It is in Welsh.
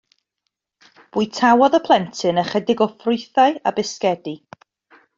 Bwytaodd y plentyn ychydig o ffrwythau a bisgedi.